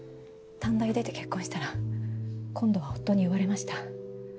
短大出て結婚したら今度は夫に言われました。